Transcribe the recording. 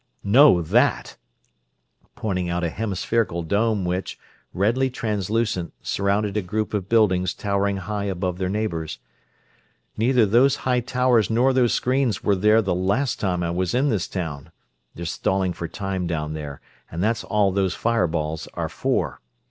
"No, that," pointing out a hemispherical dome which, redly translucent, surrounded a group of buildings towering high above their neighbors. "Neither those high towers nor those screens were there the last time I was in this town. They're stalling for time down there, that's all those fireballs are for.